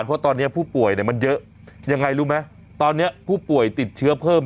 เพราะตอนนี้ผู้ป่วยเนี่ยมันเยอะยังไงรู้ไหมตอนนี้ผู้ป่วยติดเชื้อเพิ่ม